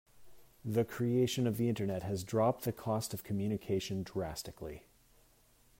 The creation of the internet has dropped the cost of communication drastically.